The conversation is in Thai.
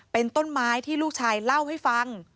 เป็นต้นไม้ที่ลูกชายเล่าให้ฟัง